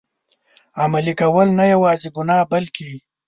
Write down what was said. عملي کول، نه یوازي ګناه بلکه.